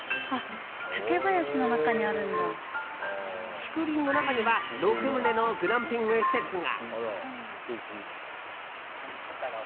竹林の中には６棟のグランピング施設が。